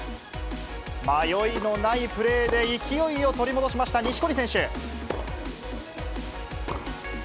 迷いのないプレーで勢いを取り戻しました錦織選手。